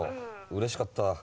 うれしかった。